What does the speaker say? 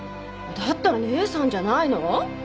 だったら姉さんじゃないの？